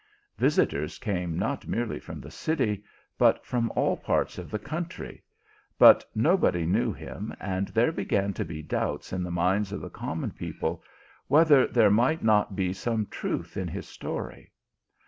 Visitors came not merely from the city, but from all parts of the country, but nobody knew him, and there began to be doubts in the minds of the common people, whether there might not be some truth in his story.